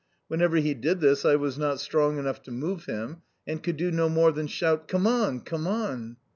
Whenever he did this I was not strong enough to move him, and could do no more than shout, "Come on, come on!"